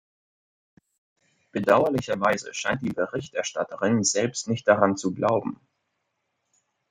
Bedauerlicherweise scheint die Berichterstatterin selbst nicht daran zu glauben.